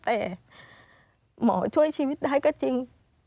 แต่หมอช่วยชีวิตได้ก็จริง